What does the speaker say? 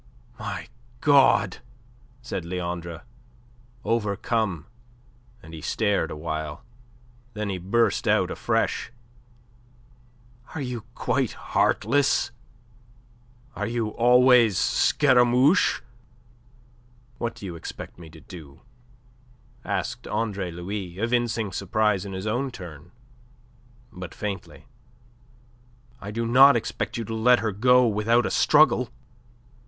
"My God!" said Leandre, overcome, and he stared awhile. Then he burst out afresh. "Are you quite heartless? Are you always Scaramouche?" "What do you expect me to do?" asked Andre Louis, evincing surprise in his own turn, but faintly. "I do not expect you to let her go without a struggle."